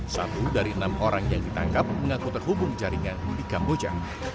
satu dari enam orang yang ditangkap mengaku terhubung jaringan di kamboja